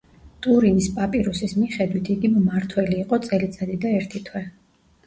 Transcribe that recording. ტურინის პაპირუსის მიხედვით იგი მმართველი იყო წელიწადი და ერთი თვე.